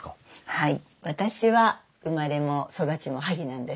はい。